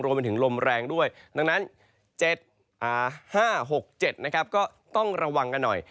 รวมไปถึงลมแรงด้วยดังนั้น๗๕๖๗นะครับก็ต้องระวังกันหน่อย